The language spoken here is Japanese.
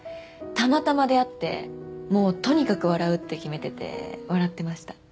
たまたま出会ってもうとにかく笑うって決めてて笑ってました